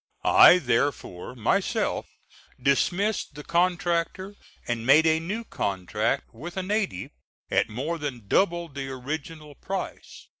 I therefore myself dismissed the contractor and made a new contract with a native, at more than double the original price.